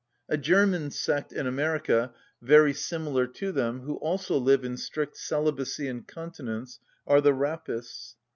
A German sect in America, very similar to them, who also live in strict celibacy and continence, are the Rappists.